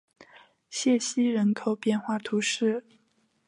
谢西人口变化图示